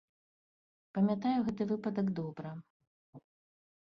Памятаю гэты выпадак добра.